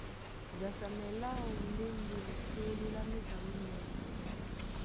Jasamɛ láō lá e ndé lokólí lá méta lónɛ̌y.